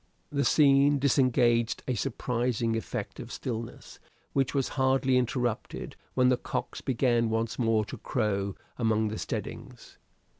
The scene disengaged a surprising effect of stillness, which was hardly interrupted when the cocks began once more to crow among the steadings.